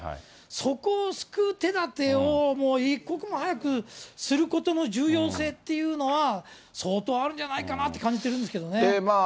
そこを救う手立てをもう一刻も早くすることの重要性っていうのは、相当あるんじゃないかなと感じてるんですけどね。